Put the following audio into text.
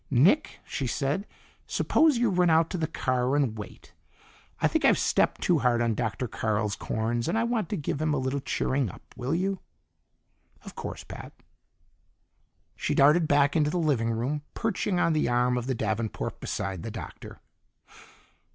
"Nick," she said, "suppose you run out to the car and wait. I think I've stepped too hard on Dr. Carl's corns, and I want to give him a little cheering up. Will you?" "Of course, Pat." She darted back into the living room, perching on the arm of the davenport beside the Doctor.